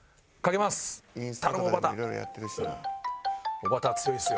おばたは強いですよ。